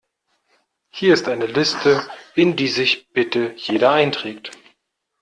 Hier ist eine Liste, in die sich bitte jeder einträgt.